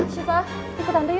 sifat ikut tante yu